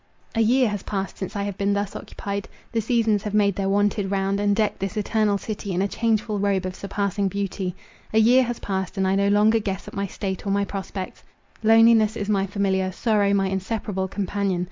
A year has passed since I have been thus occupied. The seasons have made their wonted round, and decked this eternal city in a changeful robe of surpassing beauty. A year has passed; and I no longer guess at my state or my prospects—loneliness is my familiar, sorrow my inseparable companion.